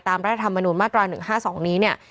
ตามรัฐธรรมหมาตราย๑๕๒นี้เนี่ย